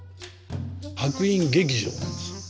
白隠劇場なんです。